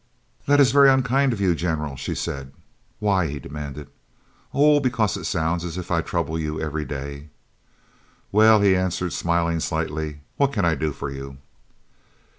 "That is very unkind of you, General," she said. "Why?" he demanded. "Oh, because it sounds as if I trouble you every day." "Well," he answered, smiling slightly, "what can I do for you?"